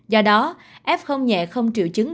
do đó f nhẹ không triệu chứng